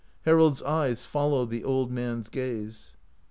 Harold's eyes follow the old man's gaze.